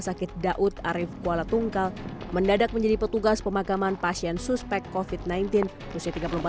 sakit daud arief kuala tungkal mendadak menjadi petugas pemakaman pasien suspek covid sembilan belas usia